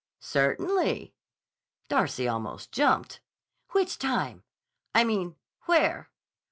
"Certainly." Darcy almost jumped. "Which time? I mean, where?"